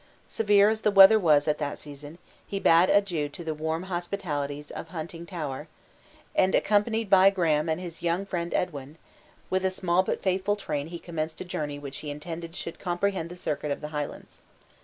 Severe as the weather was at that season, he bade adieu to the warm hospitalities of Huntingtower, and, accompanied by Graham and his young friend Edwin, with a small but faithful train he commenced a journey which he intended should comprehend the circuit of the Highlands.